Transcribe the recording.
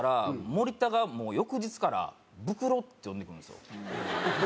森田がもう翌日から「ブクロ」って呼んでくるんですよ。